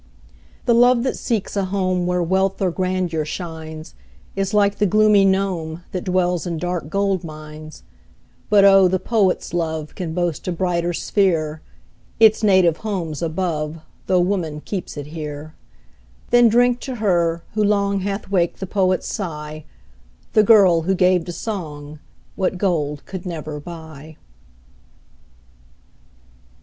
The love that seeks a home Where wealth or grandeur shines, Is like the gloomy gnome, That dwells in dark gold mines. But oh! the poet's love Can boast a brighter sphere; Its native home's above, Tho' woman keeps it here. Then drink to her, who long Hath waked the poet's sigh, The girl, who gave to song What gold could never buy.